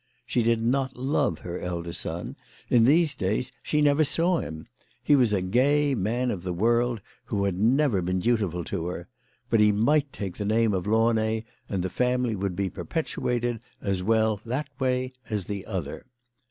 She did not love her elder son. In these days she never saw him. He was a gay man of the world, who had never been dutiful to her. But he might take the name of Lau nay, and the family would be perpetuated as well that way as the other.